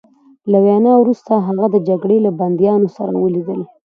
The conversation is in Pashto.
له وینا وروسته هغه د جګړې له بندیانو سره ولیدل